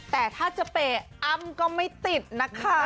แต่ถ้าจะเปะอ้ำก็ไม่ติดนะคะ